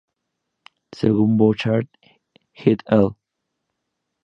Según Bouchard "et al.